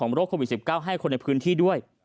โรคโควิด๑๙ให้คนในพื้นที่ด้วย